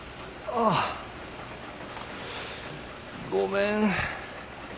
ああごめん。